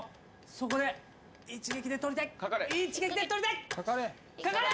そこで一撃で取りたい一撃で取りたいかかれ！